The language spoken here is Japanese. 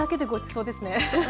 そうですよね！